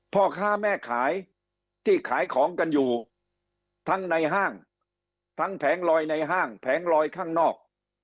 พ่อค้าแม่ขายที่ขายของกันอยู่ทั้งในห้างทั้งแผงลอยในห้างแผงลอยข้างนอก